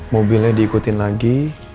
mobilnya diikutin lagi